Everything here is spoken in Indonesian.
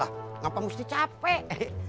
lah kenapa mesti capek